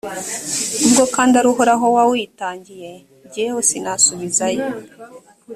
ubwo kandi ari uhoraho wawitangiye, jyewe sinasubizayo.